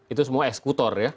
itu semua eksekutor ya